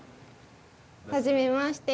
初めまして。